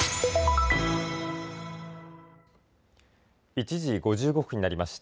１時５５分になりました。